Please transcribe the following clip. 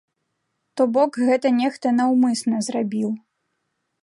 То бок гэта нехта наўмысна зрабіў.